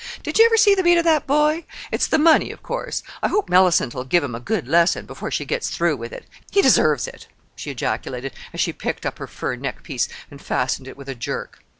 Did you ever see the beat of that boy? It's the money, of course. I hope Mellicent'll give him a good lesson, before she gets through with it. He deserves it," she ejaculated, as she picked up her fur neck piece, and fastened it with a jerk.